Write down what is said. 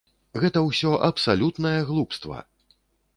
Гэта ўсё абсалютнае глупства!